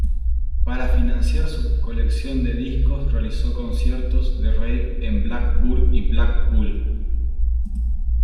Para financiar su colección de discos, realizó conciertos de rave en Blackburn y Blackpool.